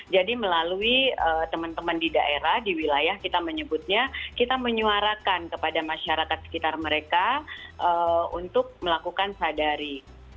jadi melalui teman teman di daerah di wilayah kita menyebutnya kita menyuarakan kepada masyarakat sekitar mereka untuk melakukan sadari